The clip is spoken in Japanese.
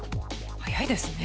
速いですね。